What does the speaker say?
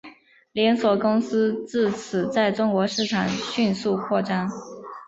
连锁公司自此在中国市场迅速扩张。